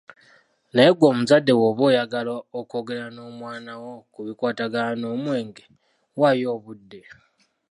Naye ggwe omuzadde bwoba oyagala okwogera n’omwana wo ku bikwatagana n’omwenge, waayo obudde.